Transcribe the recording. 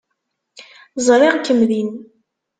Ẓriɣ-kem din.